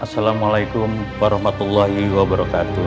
assalamu'alaikum warahmatullahi wabarakatuh